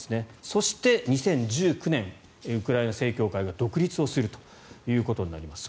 そして、２０１９年ウクライナ正教会が独立をするということになります。